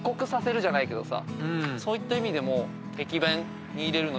そういった意味でも。